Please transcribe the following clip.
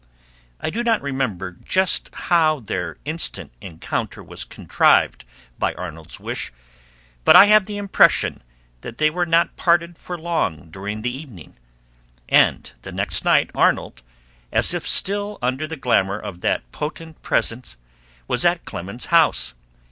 I do not remember just how their instant encounter was contrived by Arnold's wish, but I have the impression that they were not parted for long during the evening, and the next night Arnold, as if still under the glamour of that potent presence, was at Clemens's house.